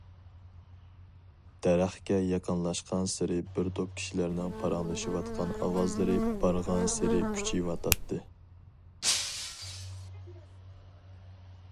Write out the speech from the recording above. دەرەخكە يېقىنلاشقانسېرى بىر توپ كىشىلەرنىڭ پاراڭلىشىۋاتقان ئاۋازلىرى بارغانسېرى كۈچىيىۋاتاتتى.